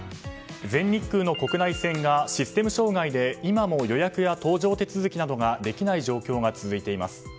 全日空の国内線がシステム障害で今も予約や搭乗手続きができない状況が続いています。